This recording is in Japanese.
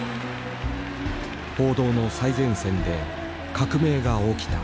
報道の最前線で革命が起きた。